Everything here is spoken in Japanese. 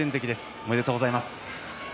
ありがとうございます。